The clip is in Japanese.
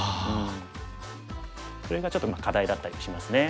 その辺がちょっと課題だったりしますね。